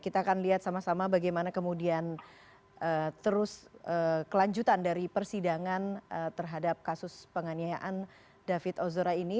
kita akan lihat sama sama bagaimana kemudian terus kelanjutan dari persidangan terhadap kasus penganiayaan david ozora ini